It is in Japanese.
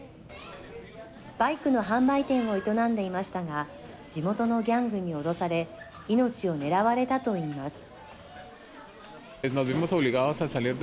バイクの販売店を営んでいましたが地元のギャングに脅され命を狙われたといいます。